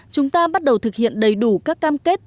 chúng ta bắt đầu thực hiện đầy đủ các cam kết